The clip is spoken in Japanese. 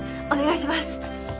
お願いします！